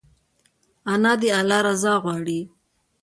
انا د الله رضا غواړي